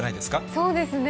そうですね。